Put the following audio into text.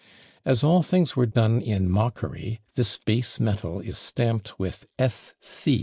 As all things were done in mockery, this base metal is stamped with S. C.